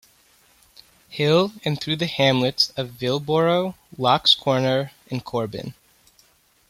Hill and through the hamlets of Villboro, Locks Corner, and Corbin.